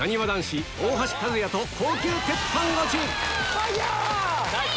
・ファイヤー！